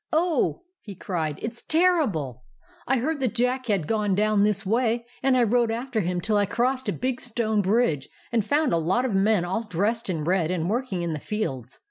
"Oh," he cried, "it's terrible! I heard that Jack had gone down this way, and I rode after him till I crossed a big stone bridge, and found a lot of men all dressed in red and working in the fields.